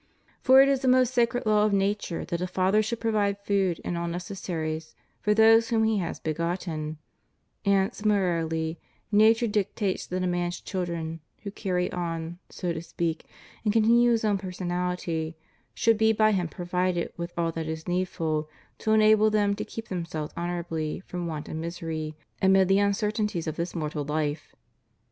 For it is a most sacred law of nature that a father should provide food and all necessaries for those whom he has begotten; and, similarly, nature dictates that a man's children, who carry on, so to speak, and continue his own personaHty, should be by him provided with all that is needful to enable them to keep themselves honorably from want and miserj' amid the uncertainties of this mortal life.